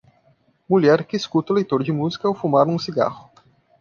Mulher que escuta o leitor de música ao fumar um cigarro.